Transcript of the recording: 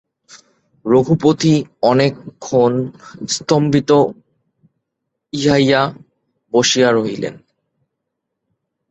রঘুপতি অনেক ক্ষণ স্তম্ভিত ইহায়া বসিয়া রহিলেন।